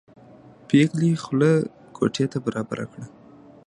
پېغلې خوله کوټې ته برابره کړه.